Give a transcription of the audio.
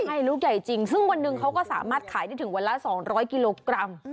ใช่ลูกใหญ่จริงซึ่งวันหนึ่งเขาก็สามารถขายได้ถึงวันละ๒๐๐กิโลกรัม